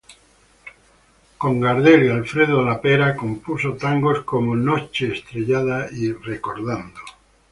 Con Gardel y Alfredo Le Pera compuso tangos como "Noche estrellada" y "Recordando".